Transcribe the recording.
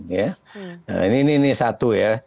nah ini satu ya